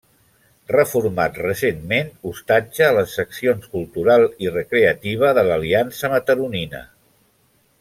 Reformat recentment, hostatja les seccions cultural i recreativa de l'Aliança Mataronina.